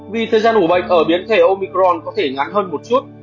vì thời gian ủ bệnh ở biến thể omicron có thể ngắn hơn một chút